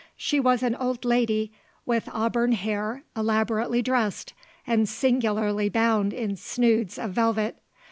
She was an old lady with auburn hair elaborately dressed and singularly bound in snoods of velvet.